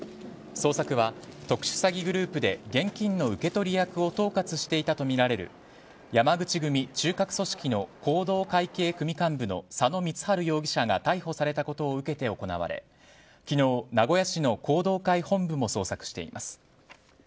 捜索は特殊詐欺グループで現金の受け取り役を統括していたとみられる山口組中核組織の弘道会系組幹部の佐野光治容疑者が逮捕されたことを受けて行われ昨日、名古屋市の弘道会本部も捜索しています。